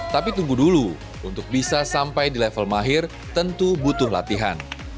tapi tunggu dulu untuk bisa sampai di level mahir tentu butuh latihan